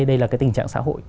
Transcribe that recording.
đây là cái tình trạng xã hội